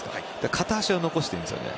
片足は残していいんですよね。